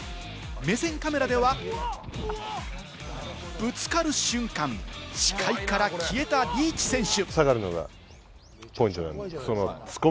目線カメラではぶつかる瞬間、視界から消えたリーチ選手。